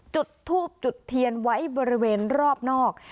จุดทูบจุดเทียนไว้บริเวณรอบนอก